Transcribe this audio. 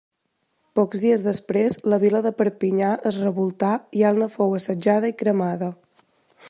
Pocs dies després, la vila de Perpinyà es revoltà i Elna fou assetjada i cremada.